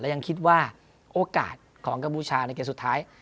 และยังคิดว่าโอกาสของกบูชาในเกรดสุดท้าย